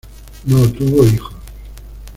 No tuvo hijos.